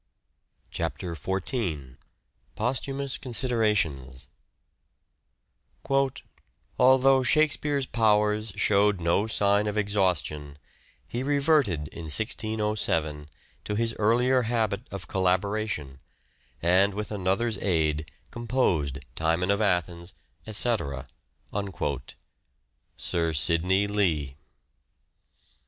CHAPTER XIV POSTHUMOUS CONSIDERATIONS " ALTHOUGH Shakespeare's powers showed no sign of exhaustion, he reverted in 1607 to his earlier habit of collaboration, and with another's aid composed Timon of Athens, etc." SIR SIDNEY LEE.